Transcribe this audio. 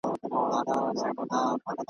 اه او اوف وي نور نو سړی نه پوهیږي